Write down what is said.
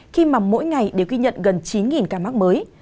khi mà mỗi ngày đều ghi nhận gần chín ca mắc mới